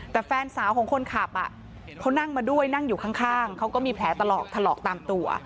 แต่แฟนสาวของคนขับเขานั่งมาด้วยนั่งอยู่ข้างเขาก็มีแผลตลอดถลอกตามตัว